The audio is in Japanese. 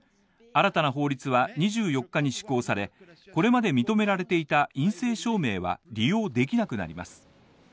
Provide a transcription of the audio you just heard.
新たな法律は２４日に施行され、これまで認められていた陰性証明は利用できなくなります。